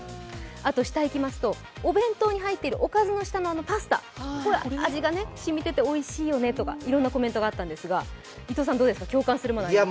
下いきますとお弁当に入っているおかずの下のパスタ、味が染みてておいしいよねとかいろんなコメントがあったんですが伊藤さん、どうですか、共感するもの、ありますか？